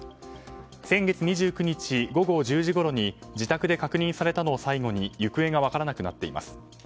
先月２９日午後１０時ごろに自宅で確認されたのを最後に行方が分からなくなっています。